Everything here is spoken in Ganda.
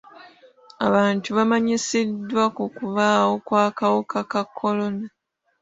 Abantu bamanyisiddwa ku kubaawo kw'akawuka ka kolona.